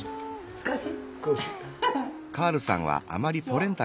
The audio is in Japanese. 少し。